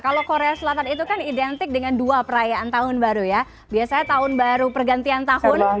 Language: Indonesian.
kalau korea selatan itu kan identik dengan dua perayaan tahun baru ya biasanya tahun baru pergantian tahun